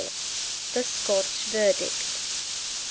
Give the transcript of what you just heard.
THE SCOTCH VERDICT.